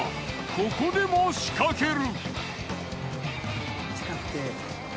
ここでも仕掛ける！